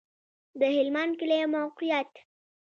د هلمند کلی موقعیت